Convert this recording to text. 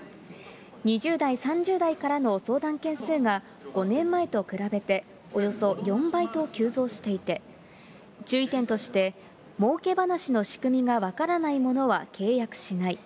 ２０代、３０代からの相談件数が５年前と比べて、およそ４倍と急増していて、注意点として、もうけ話の仕組みが分からないものは契約しない。